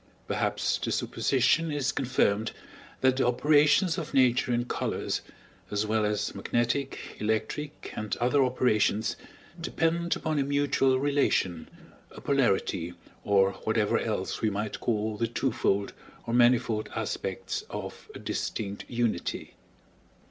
Perhaps the supposition is confirmed that the operations of Nature in colors, as well as magnetic, electric, and other operations, depend upon a mutual relation, a polarity, or whatever else we might call the twofold or manifold aspects of a distinct unity.